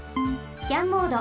スキャンモード。